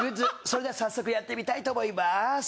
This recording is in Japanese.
それでは早速やってみたいと思います。